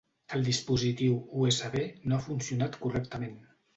El dispositiu USB no ha funcionat correctament.